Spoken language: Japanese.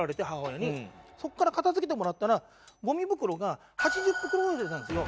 そこから片付けてもらったらゴミ袋が８０袋ぐらい出たんですよ。